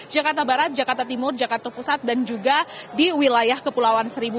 jakarta barat jakarta timur jakarta pusat dan juga di wilayah kepulauan seribu